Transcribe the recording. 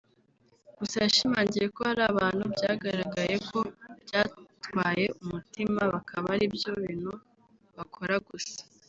Gusa yashimangiye ko hari abantu byagaragaye ko byatwaye umutima bakaba ari byo bintu bakora gusa